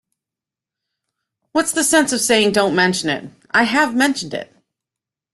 What's the sense of saying, 'Don't mention it'? I have mentioned it.